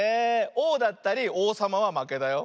オーだったりおうさまはまけだよ。